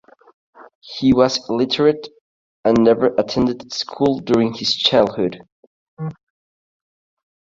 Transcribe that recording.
He was illiterate and never attended school during his childhood.